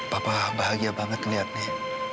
papa bahagia banget ngeliatnya